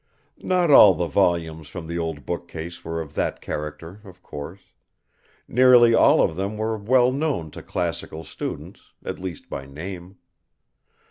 Not all the volumes from the old bookcase were of that character, of course. Nearly all of them were well known to classical students, at least by name.